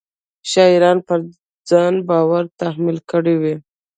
شاعرانو پر ځان بار تحمیل کړی وي.